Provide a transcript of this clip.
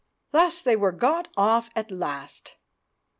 Thus they were got off at last.